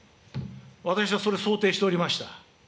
私はそれ、想定しておりました。